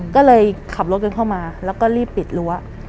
ก็เลยขับรถกันเข้ามาแล้วก็รีบปิดรั้ว